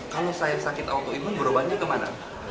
kalau saya sakit autoimun berubahnya ke mana